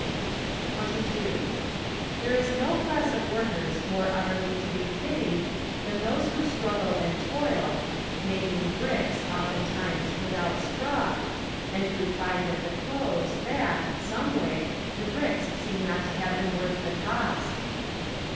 22. There is no class of workers more utterly to be pitied than those who struggle and toil, "makingbricks"oftentimes "with¬ out straw," and who find at the close that, someway, the bricks seem not to have been worth the cost.